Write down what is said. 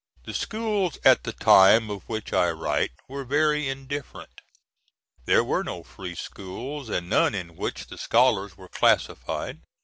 The schools, at the time of which I write, were very indifferent. There were no free schools, and none in which the scholars were classified.